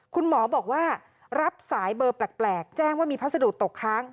คุณหมอบอกว่ารับสายเบอร์แปลกแจ้งว่ามีพัสดุตกค้าง